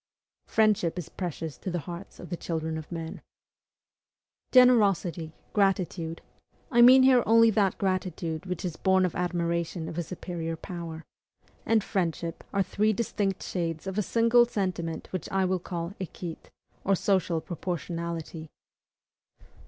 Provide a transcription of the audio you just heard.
Friendship is precious to the hearts of the children of men. Generosity, gratitude (I mean here only that gratitude which is born of admiration of a superior power), and friendship are three distinct shades of a single sentiment which I will call equite, or SOCIAL PROPORTIONALITY.